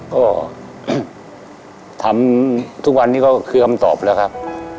ก็ทำทุกวันนี้ก็คือคำตอบแล้วครับ